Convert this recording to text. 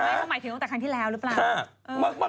เขาหมายถึงตั้งแต่ครั้งที่แล้วหรือเปล่า